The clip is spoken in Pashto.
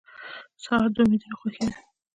سهار د امیدونو خوښي ده.